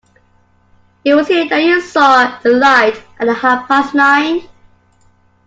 It was here that you saw the light at half-past nine?